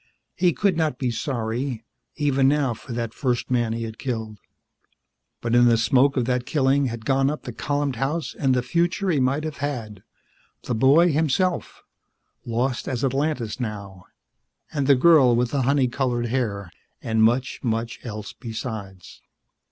He could not be sorry, even now, for that first man he had killed. But in the smoke of that killing had gone up the columned house and the future he might have had, the boy himself lost as Atlantis now and the girl with the honey colored hair and much, much else besides.